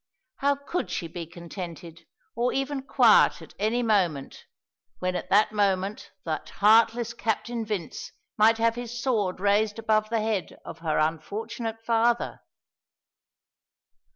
How could she be contented or even quiet at any moment, when at that moment that heartless Captain Vince might have his sword raised above the head of her unfortunate father?